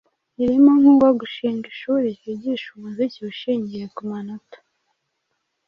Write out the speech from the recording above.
irimo nk'uwo gushinga ishuri ryigisha umuziki ushingiye ku manota –